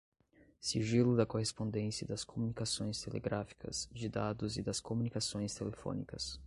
sigilo da correspondência e das comunicações telegráficas, de dados e das comunicações telefônicas